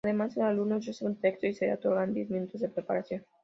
Además, el alumno recibe un texto y se le otorgan diez minutos de preparación.